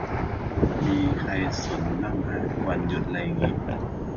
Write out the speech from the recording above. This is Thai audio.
มีใครสนมั่งฮะ วันหยุดไรงี้